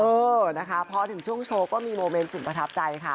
เออนะคะพอถึงช่วงโชว์ก็มีโมเมนต์สุดประทับใจค่ะ